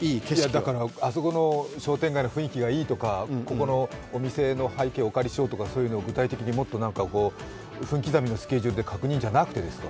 あそこの商店街の雰囲気がいいとか、あそこの風景にしようとかそういうことを具体的に分刻みのスケジュールで確認じゃなくてですか？